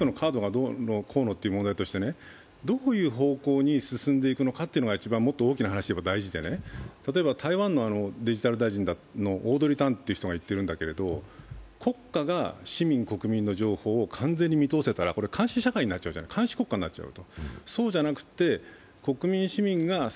ただしプラスチックのカードがどうのこうのというのは別にしてどういう方向に進んでいくのかというのが一番もっと大きな話で大事で、例えば台湾のデジタル大臣のオードリー・タンという人が言っていますけど国家が市民・国民の情報を完全に見通せたら、これ監視社会、監視国家になってしまう。